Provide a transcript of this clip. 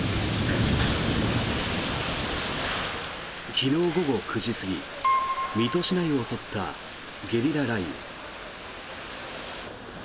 昨日午後９時過ぎ水戸市内を襲ったゲリラ雷雨。